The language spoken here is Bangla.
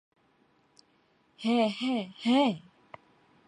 হ্যাঁ, হ্যাঁ, হ্যাঁ।